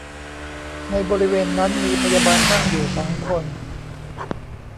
ในบริเวณนั้นมีพยาบาลนั่งอยู่สองคน